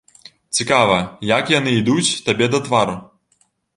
Цікава, як яны ідуць табе да твару?